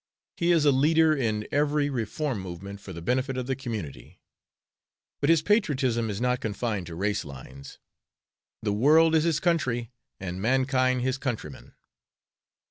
He is a leader in every reform movement for the benefit of the community; but his patriotism is not confined to race lines. "The world is his country, and mankind his countrymen."